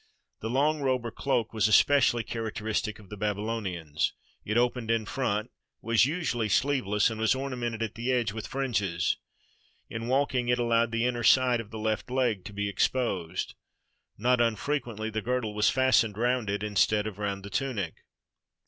The long robe or cloak was specially characteristic of the Babylonians. It opened in front, was usually sleeve less, and was ornamented at the edge with fringes. In walking it allowed the inner side of the left leg to be ex posed. Not unfrequently the girdle was fastened round 480 HOW .ASSYRIANS AND BABYLONIANS LIVED it instead of round the tunic.